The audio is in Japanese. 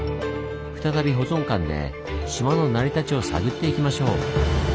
再び保存館で島の成り立ちを探っていきましょう。